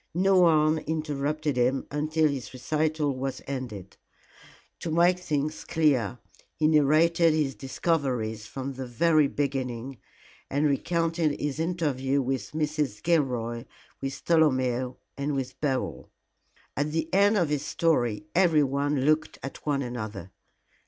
No one interrupted him until his recital was ended. To make things clear, he narrated his discoveries from the very beginning, and recounted his interview with Mrs. Gilroy, with Tolomeo and with Beryl. At the end of his story everyone looked at one another.